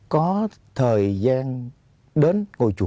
có thời gian đến